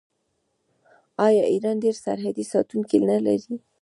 آیا ایران ډیر سرحدي ساتونکي نلري؟